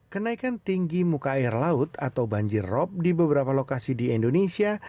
kenaikan tinggi muka air laut atau banjir rob di beberapa lokasi di indonesia